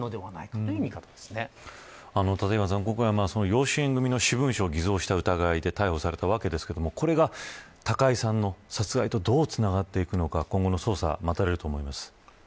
養子縁組の私文書偽造した疑いで逮捕されていたわけですがこれが高井さんの殺害とどうつながっていくのか今後の捜査が待たれると思います。